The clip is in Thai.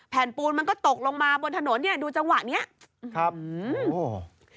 แผ่นปูนมันก็ตกลงมาบนถนนเนี่ยดูจังหวะเนี้ยครับอ๋อ